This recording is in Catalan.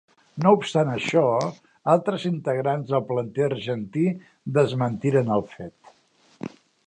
No obstant això, altres integrants del planter argentí desmentiren el fet.